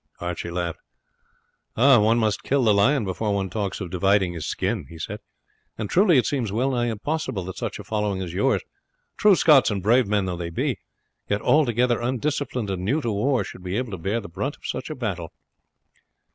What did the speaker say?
Archie laughed. "One must kill the lion before one talks of dividing his skin," he said; "and truly it seems well nigh impossible that such a following as yours, true Scots and brave men though they be, yet altogether undisciplined and new to war, should be able to bear the brunt of such a battle."